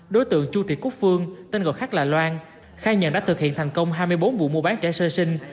đối tượng chu thị quốc phương tên gọi khác là loan khai nhận đã thực hiện thành công hai mươi bốn vụ mua bán trẻ sơ sinh